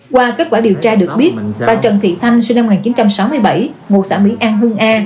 qua kết quả điều tra được biết bà trần thị thanh sinh năm một nghìn chín trăm sáu mươi bảy ngụ xã mỹ an hưng a